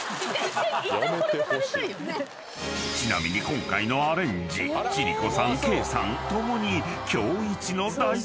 ［ちなみに今回のアレンジ千里子さんケイさん共に］